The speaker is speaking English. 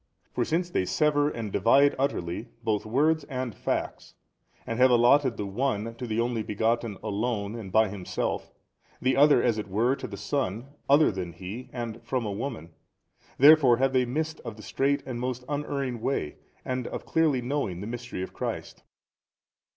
For since they sever and divide utterly both words and facts and have allotted the one to the Only Begotten alone and by Himself, the other as it were to a son other than He and from a woman, therefore have they missed of the straight and most unerring way and of clearly knowing the mystery of Christ.